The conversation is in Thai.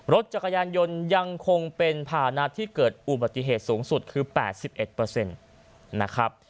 รถจักรยานยนต์ยังคงเป็นผ่านัดที่เกิดอุบัติเหตุสูงสุดคือ๘๑เปอร์เซ็นต์นะครับ